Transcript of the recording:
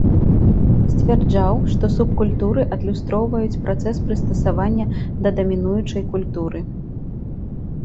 Сцвярджаў, што субкультуры адлюстроўваюць працэс прыстасавання да дамінуючай культуры.